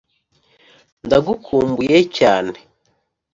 ndagukumbuye cyane.